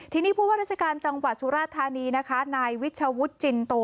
ทีนี้ผู้ว่าราชการจังหวัดสุราธานีนะคะนายวิชวุฒิจินโต